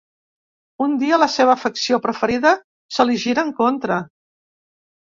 Un dia, la seva afecció preferida se li gira en contra.